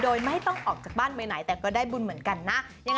โดยไม่ต้องออกจากบ้านไปไหนแต่ก็ได้บุญเหมือนกันนะ